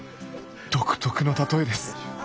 独特の例えです